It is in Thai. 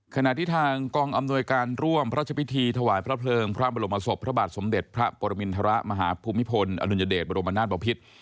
ขณะที่ทางกองอำนวยการร่วมพระราชพิธีถวายพระเพลิงพระบรมศพพระบาทสมเด็จพระปรมินทรมาฮภูมิพลอดุลยเดชบรมนาศบพิษ